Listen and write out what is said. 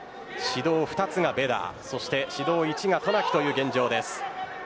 指導２つがベダーそして指導１つが渡名喜という現状です。